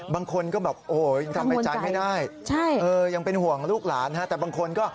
บางคนก็แบบโอ้โหยังทำใจไม่ได้ยังเป็นห่วงลูกหลานแต่บางคนก็